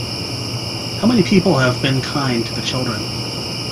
Have many people been kind to the children?